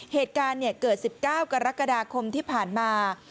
เหตุการณ์เกิด๑๙กรกฎาคมที่ผ่านมา